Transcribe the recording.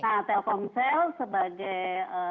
nah telkomsel sebagai